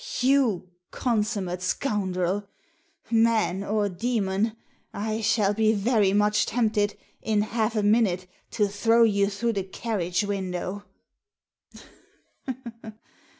"You consummate scoundrel! Man or demon, I shall be very much tempted, in half a minute, to throw you through the carriage window."